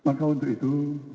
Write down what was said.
maka untuk itu